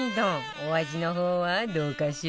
お味の方はどうかしら？